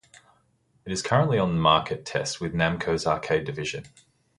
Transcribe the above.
It is currently on market test with Namco's arcade division.